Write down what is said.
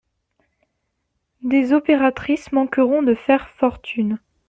Des opératrices manqueront de faire fortune.